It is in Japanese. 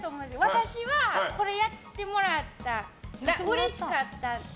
私はこれをやってもらったらうれしかった。